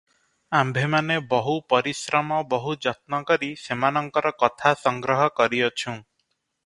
ଆମ୍ଭେମାନେ ବହୁ ପରିଶ୍ରମ ବହୁ ଯତ୍ନ କରି ସେମାନଙ୍କର କଥା ସଂଗ୍ରହ କରିଅଛୁଁ ।